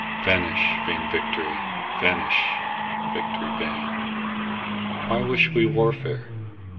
Vanish vain victory! vanish, victory vain! Why wish we warfare?